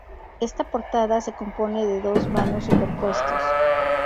Esta portada se compone de dos vanos superpuestos.